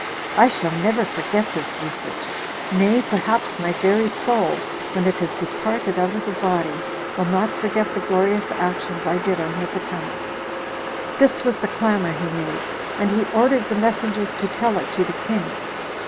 I shall never forget this usage. Nay, perhaps, my very soul, when it is departed out of the body, will not forget the glorious actions I did on his account." This was the clamor he made, and he ordered the messengers to tell it to the king.